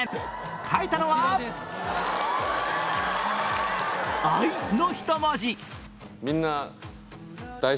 書いたのは「愛」の一文字。